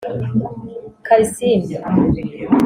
Karisimbi